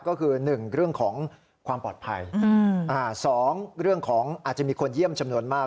ก็คือ๑เรื่องของความปลอดภัย๒เรื่องของอาจจะมีคนเยี่ยมจำนวนมาก